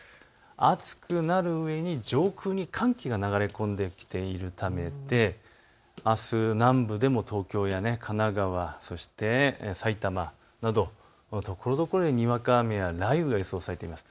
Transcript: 暑くなるうえに上空に寒気が流れ込んできているためであす南部でも東京や神奈川、そして埼玉などところどころでにわか雨や雷雨が予想されています。